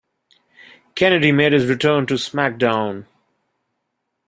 Kennedy made his return to SmackDown!